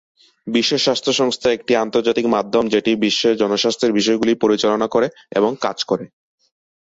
বিশ্ব স্বাস্থ্য সংস্থা একটি আন্তর্জাতিক মাধ্যম যেটি বিশ্বের জনস্বাস্থ্যের বিষয়গুলি পরিচালনা করে এবং কাজ করে।